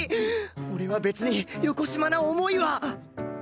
俺は別によこしまな思いは！